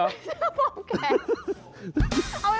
ไม่ใช่ปอกแขน